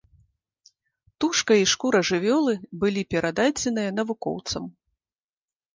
Тушка і шкура жывёлы былі перададзеныя навукоўцам.